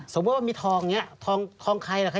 สมมุติว่ามีทองอย่างนี้ทองใครล่ะใคร